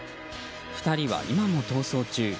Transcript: ２人は今も逃走中。